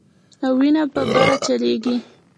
او وينه به بره چليږي